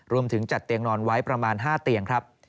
รวมถึงจัดเตียงนอนไว้ประมาณ๕เตียงครับ